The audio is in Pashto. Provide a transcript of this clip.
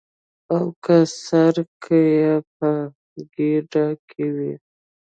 او که سرکه یې په ګېډه کې وي.